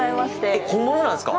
えっ、本物なんですか？